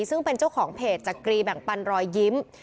ซึ่งเป็นเจ้าของเพจจักรีแบ่งปันรอยยิ้ม